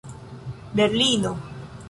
berlino